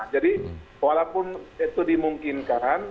jadi walaupun itu dimungkinkan